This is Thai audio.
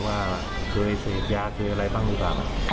ว่าเคยเสพยาเคยอะไรบ้างหรือเปล่า